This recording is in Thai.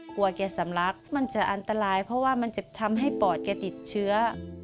แกสำลักมันจะอันตรายเพราะว่ามันจะทำให้ปอดแกติดเชื้อ